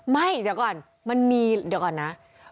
ไม่เดี๋ยวก่อนมันมีเดี๋ยวก่อนนะ